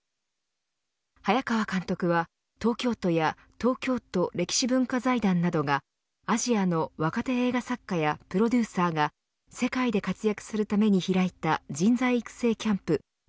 早川監督は東京都や東京都歴史文化財団などがアジアの若手映画作家やプロデューサーが世界で活躍するために開いた人材育成キャンプ